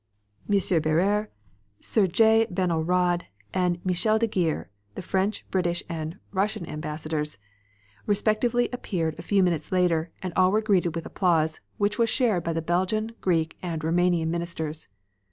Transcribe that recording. M. Barrere, Sir J. Bennell Rodd, and Michel de Giers, the French, British and Russian Ambassadors, respectively, appeared a few minutes later and all were greeted with applause, which was shared by the Belgian, Greek and Roumanian ministers.